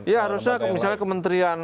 ya harusnya misalnya kementerian